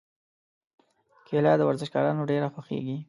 کېله د ورزشکارانو ډېره خوښېږي.